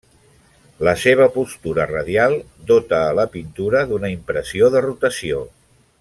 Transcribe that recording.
La seva postura radial dota a la pintura d'una impressió de rotació.